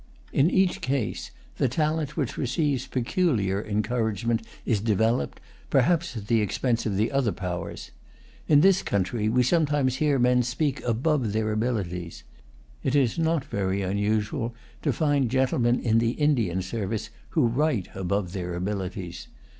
In each case, the talent which receives peculiar encouragement is developed, perhaps at the expense of the other powers. In this country, we sometimes hear men speak above their abilities. It is not very unusual to find gentlemen in the Indian service who write above their abilities.